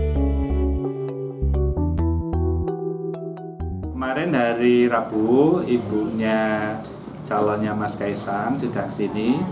kemarin hari rabu ibunya calonnya mas kaisang sudah kesini